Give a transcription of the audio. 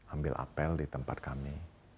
ambil apel di tempat kami